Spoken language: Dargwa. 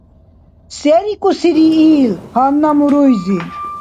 Се рикӀусири ил гьанна муруйзи?